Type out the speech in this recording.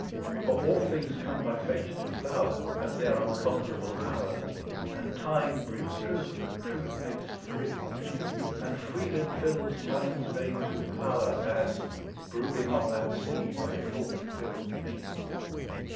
For all things come by fate to flower At their unconquerable hour, And time brings truth, and truth makes free, And freedom fills time's veins with power, As, brooding on that sea, My thought filled me.